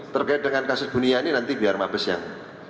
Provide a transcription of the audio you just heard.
terkait dengan kasus buniani nanti biar mabes yang